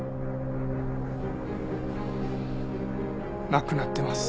亡くなってます。